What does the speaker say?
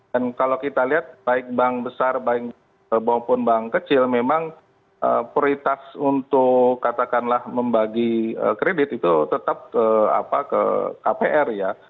kalau kita lihat baik bank besar baik maupun bank kecil memang prioritas untuk katakanlah membagi kredit itu tetap ke kpr ya